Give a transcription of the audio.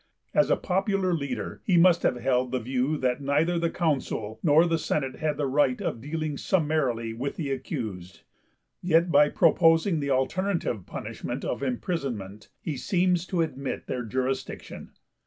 As a popular leader, he must have held the view that neither the Consul nor the Senate had the right of dealing summarily with the accused; yet by proposing the alternative punishment of imprisonment he seems to admit their jurisdiction.